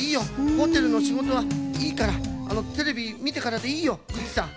ホテルのしごとはいいからテレビみてからでいいよグッチさん。